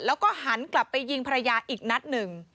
แล้วก็หันกลับไปยิงภรรยาอีกนัดหนึ่ง